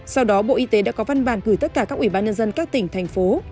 sau đó bộ y tế đã có văn bản gửi tất cả các ủy ban nhân dân các tỉnh thành phố